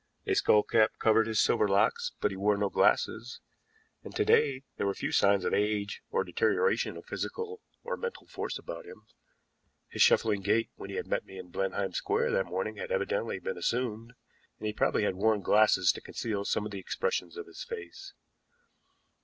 A skull cap covered his silver locks, but he wore no glasses, and to day there were few signs of age or deterioration of physical or mental force about him. His shuffling gait when he had met me in Blenheim Square that morning had evidently been assumed, and probably he had worn glasses to conceal some of the expression of his face.